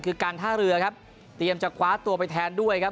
คือการท่าเรือครับเตรียมจะคว้าตัวไปแทนด้วยครับ